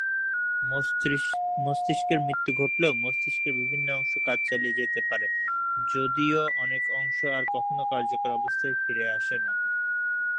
মস্তিষ্কের মৃত্যু ঘটলেও মস্তিষ্কের বিভিন্ন অংশ কাজ চালিয়ে যেতে পারে যদিও অনেক অংশ আর কখনো কার্যকর অবস্থায় ফিরে আসে না।